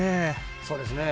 そうですね。